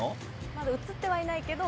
まだ映ってはいないけど。